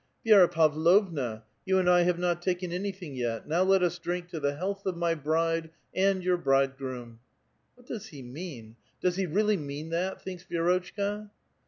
'' Vi^ra Favlovua, you and I have not taken anything yet ; now let us drink ' to the health of my bride and your bride groom 1 '" ''What does he mean? Does he really mean that?" thinks Vi^rotchka.